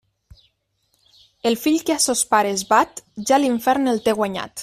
El fill que a sos pares bat, ja l'infern el té guanyat.